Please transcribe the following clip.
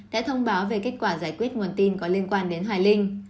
đã thông báo về kết quả giải quyết nguồn tin có liên quan đến hoài linh